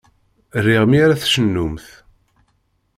Riɣ mi ara tcennumt.